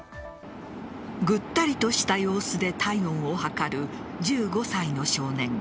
ぐったりとした様子で体温を測る１５歳の少年。